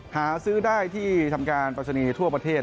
หาซื้อได้ที่ทำการปรัชนีทั่วประเทศ